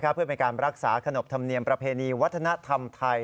เพื่อเป็นการรักษาขนบธรรมเนียมประเพณีวัฒนธรรมไทย